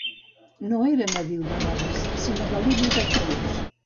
No era nadiu de Rodes sinó de l'illa de Quios.